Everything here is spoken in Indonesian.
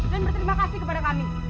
dan berterima kasih kepada kami